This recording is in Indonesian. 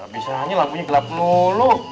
bisa aja lampunya gelap dulu